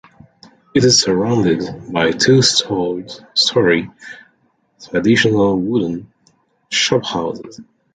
It is surrounded by two storey traditional wooden shophouses.